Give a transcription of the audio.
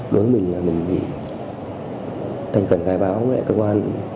với mình là mình thì thành cẩn gái báo với cơ quan